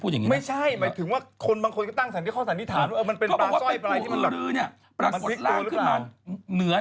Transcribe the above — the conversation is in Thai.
เพื่อ